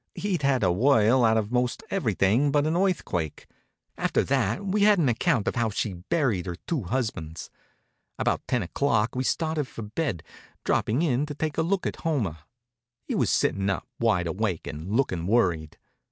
He'd had a whirl out of most everything but an earthquake. After that we had an account of how she'd buried her two husbands. About ten o'clock we started for bed, droppin' in to take a look at Homer. He was sittin' up, wide awake and lookin' worried.